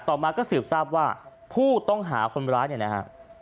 ต่อมาก็สืบทราบว่าผู้ต้องหาคนร้ายเนี่ยนะฮะ